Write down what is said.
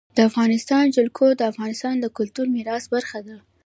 د افغانستان جلکو د افغانستان د کلتوري میراث برخه ده.